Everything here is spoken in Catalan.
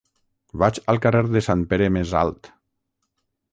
Vaig al carrer de Sant Pere Més Alt.